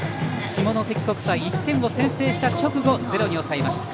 下関国際、１点を先制した直後ゼロに抑えました。